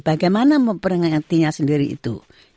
bagaimana memperingatinya sendiri itu